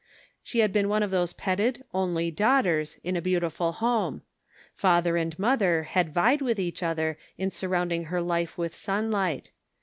She had been one of those petted only daughters in a beautiful home. Father and mother had vied with each other in sur rounding her life with sunlight.